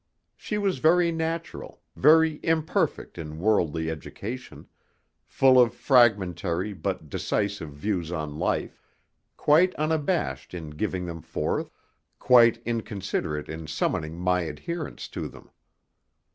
She was very natural, very imperfect in worldly education, full of fragmentary but decisive views on life, quite unabashed in giving them forth, quite inconsiderate in summoning my adherence to them.